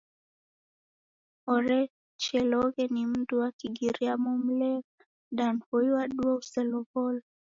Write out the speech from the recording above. Orecheloghe ni mndu wa Kigiriyama umlegha. Danu hoyu wadua uselow'olo.